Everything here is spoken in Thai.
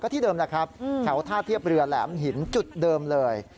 ที่เดิมนะครับแถวท่าเทียบเรือแหลมหินจุดเดิมเลย